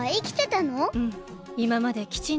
うん。